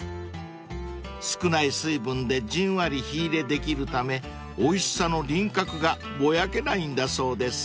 ［少ない水分でじんわり火入れできるためおいしさの輪郭がぼやけないんだそうです］